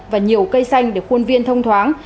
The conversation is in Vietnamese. và nhiều cây xanh để khuôn viên thông thoáng